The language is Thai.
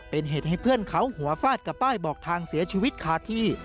เป็นเหตุให้เพื่อนเขาหัวฟาดกับป้ายบอกทางเสียชีวิตคาที่